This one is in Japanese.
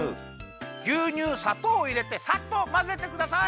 ぎゅうにゅうさとうをいれてさっとまぜてください。